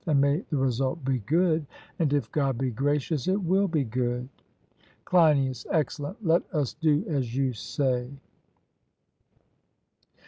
And may the result be good, and if God be gracious, it will be good! CLEINIAS: Excellent; let us do as you say.